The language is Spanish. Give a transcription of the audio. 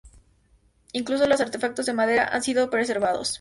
Incluso los artefactos de madera han sido preservados.